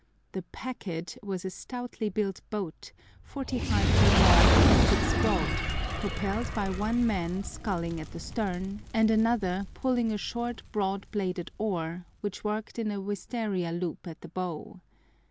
The "packet" was a stoutly built boat, 45 feet long by 6 broad, propelled by one man sculling at the stern, and another pulling a short broad bladed oar, which worked in a wistaria loop at the bow.